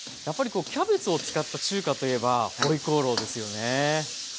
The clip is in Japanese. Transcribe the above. やっぱりこうキャベツを使った中華といえば回鍋肉ですよね。